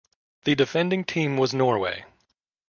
The defending team was Norway.